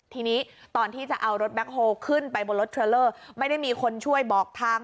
ทีนี้ตอนที่จะเอารถแบ็คโฮลขึ้นไปบนรถเทรลเลอร์ไม่ได้มีคนช่วยบอกทาง